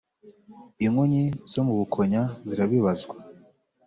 Inkonyi zo mu Bukonya zirabibazwa